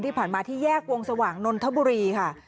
ที่ผ่านมาที่แยกวงสว่างนนทบุรีค่ะ